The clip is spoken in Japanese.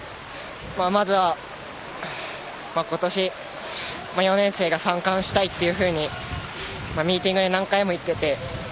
まずは今年４年生が３冠したいというふうにミーティングで何回も言っていて。